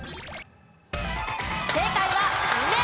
正解は梅。